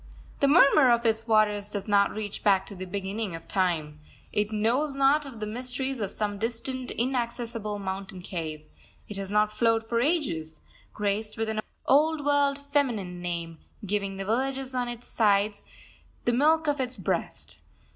The murmur of its waters does not reach back to the beginning of time. It knows naught of the mysteries of some distant, inaccessible mountain cave. It has not flowed for ages, graced with an old world feminine name, giving the villages on its sides the milk of its breast.